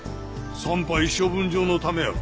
産廃処分場のためやろ。